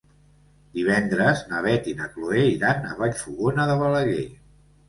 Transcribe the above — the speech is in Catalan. Divendres na Beth i na Chloé iran a Vallfogona de Balaguer.